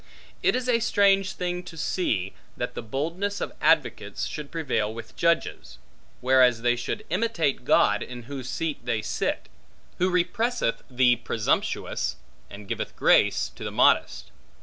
It is a strange thing to see, that the boldness of advocates should prevail with judges; whereas they should imitate God, in whose seat they sit; who represseth the presumptuous, and giveth grace to the modest.